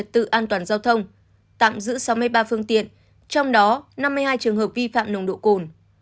tự an toàn giao thông tạm giữ sáu mươi ba phương tiện trong đó năm mươi hai trường hợp vi phạm nồng độ cồn